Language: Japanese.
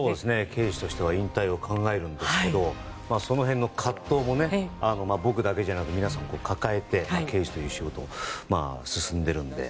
刑事としては引退を考えるんですけどその辺の葛藤も僕だけじゃなく皆さん抱えて刑事という仕事進んでいるので。